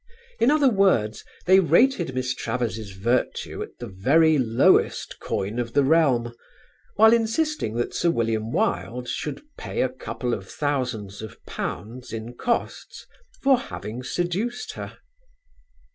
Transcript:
In other words they rated Miss Travers' virtue at the very lowest coin of the realm, while insisting that Sir William Wilde should pay a couple of thousands of pounds in costs for having seduced her.